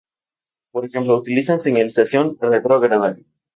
Por ejemplo, utilizan señalización retrógrada.